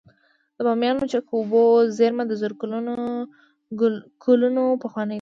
د بامیانو چک اوبو زیرمه د زرګونه کلونو پخوانۍ ده